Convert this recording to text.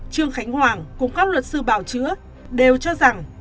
trương khánh hoàng cùng các luật sư bảo chữa đều cho rằng